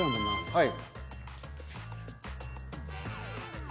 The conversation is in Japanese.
はい。